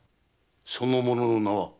その者の名は？